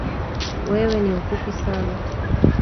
Wewe ni mfupi sana